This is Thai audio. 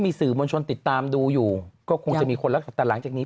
มีสื่อมวลชนติดตามดูอยู่ก็คงจะมีคนรักษาแต่หลังจากนี้